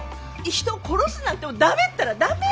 人を殺すなんて駄目ったら駄目！